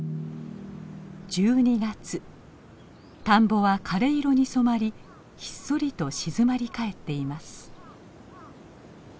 田んぼは枯れ色に染まりひっそりと静まり返っています。